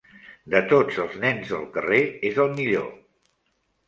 De tots els nens del carrer, és el millor.